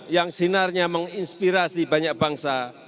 yang sinarnya menginspirasi banyak bangsa